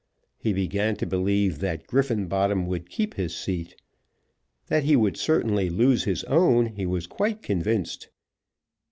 He began to believe that Griffenbottom would keep his seat. That he would certainly lose his own, he was quite convinced.